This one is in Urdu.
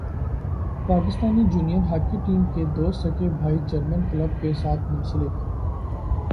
پاکستان جونئیر ہاکی ٹیم کے دو سگے بھائی جرمن کلب کے ساتھ منسلک